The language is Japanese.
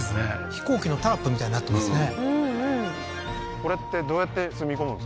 飛行機のタラップみたいになってますね